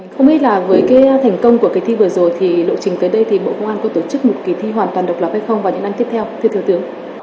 không biết là với cái thành công của cái thi vừa rồi thì lộ trình tới đây thì bộ công an có tổ chức một kỳ thi hoàn toàn độc lọc hay không vào những năm tiếp theo